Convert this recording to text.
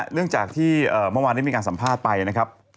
เนื่องจากที่เมื่อวานได้มีการสัมภาษณ์ไปนะครับ